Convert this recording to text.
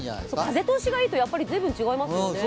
風通しがいいと随分違いますよね。